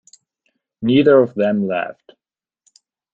Neither of them laughed.